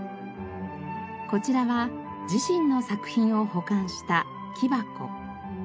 こちらは自身の作品を保管した木箱。